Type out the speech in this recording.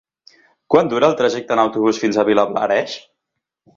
Quant dura el trajecte en autobús fins a Vilablareix?